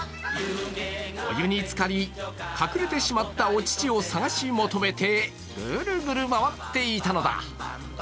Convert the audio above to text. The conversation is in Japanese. お湯につかり、隠れてしまったお乳を探し求めてぐるぐる回っていたのだ。